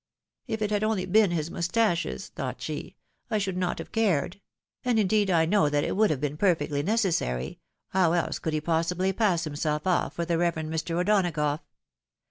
" If it had been only his mustaches," thought she, " I should not have cared ; and, indeed, I know that it would have been perfectly necessary — how else could he possibly pass him self oif for the Reverend Mr. O'Donagough?